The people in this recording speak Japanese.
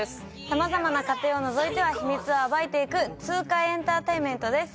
様々な家庭をのぞいては秘密を暴いていく痛快エンターテインメントです。